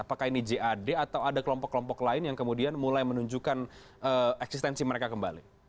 apakah ini jad atau ada kelompok kelompok lain yang kemudian mulai menunjukkan eksistensi mereka kembali